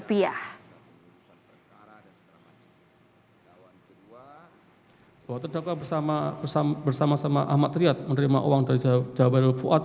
bahwa terdakwa bersama sama ahmad triad menerima uang dari jawa hirul fuad